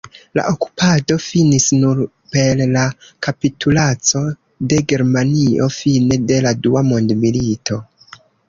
La okupado finis nur per la kapitulaco de Germanio fine de la Dua Mondmilito.